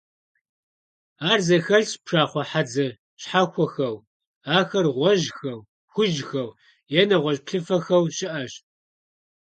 Ар зэхэлъщ пшахъуэ хьэдзэ щхьэхуэхэу, ахэр гъуэжьхэу, хужьхэу е нэгъуэщӀ плъыфэхэу щыӀэщ.